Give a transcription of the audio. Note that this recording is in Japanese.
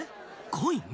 コイン？